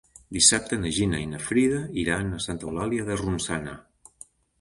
Dissabte na Gina i na Frida iran a Santa Eulàlia de Ronçana.